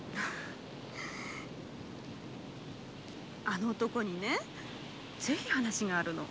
あの男にね是非話があるの。